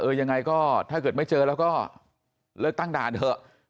ยังไงก็ถ้าเกิดไม่เจอแล้วก็เลิกตั้งด่านเถอะ